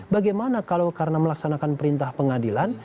bagaimana kalau karena melaksanakan perintah pengadilan